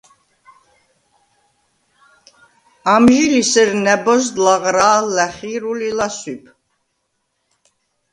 ამჟი ლი სერ ნა̈ბოზდ ლაღრა̄ლ, ლიხი̄რულ ი ლასვიბ.